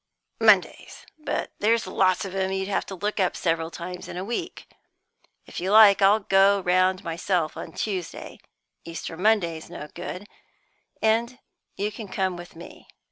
"Mondays; but there's lots of 'em you'd have to look up several times in a week. If you like I'll go round myself on Tuesday Easter Monday's no good and you can come with me."